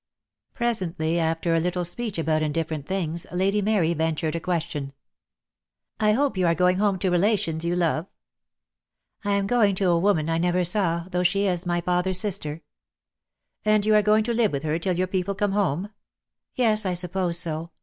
Presently, after a little speech about indifferent things, Lady Mary ventured a question. "I hope you are going home to relations you love?" "I am going to a woman I never saw, though she is my father's sister." "And you are going to live with her till your people come home?" "Yes, I suppose so.